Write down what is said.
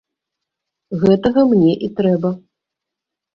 Гэтага мне і трэба.